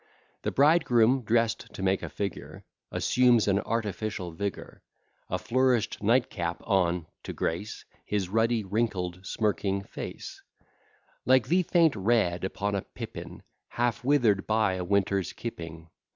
The bridegroom, drest to make a figure, Assumes an artificial vigour; A flourish'd nightcap on, to grace His ruddy, wrinkled, smirking face; Like the faint red upon a pippin, Half wither'd by a winter's keeping.